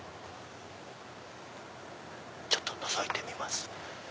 ちょっとのぞいてみます。